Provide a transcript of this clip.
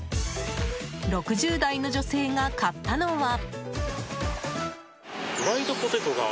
６０代の女性が買ったのは。